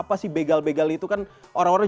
diker di pinggir jalan atau tempat tempat rumah